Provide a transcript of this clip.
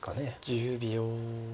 １０秒。